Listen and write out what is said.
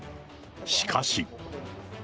しかし。